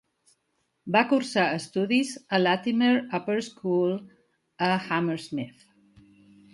Va cursar estudis a Latymer Upper School a Hammersmith.